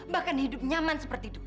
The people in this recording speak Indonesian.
bahkan hidup nyaman seperti itu